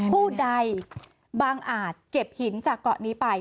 ผู้ใดบางอาจเก็บหินจากเกาะนี้ไป